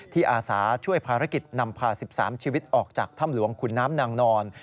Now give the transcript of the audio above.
อาสาช่วยภารกิจนำพา๑๓ชีวิตออกจากถ้ำหลวงขุนน้ำนางนอน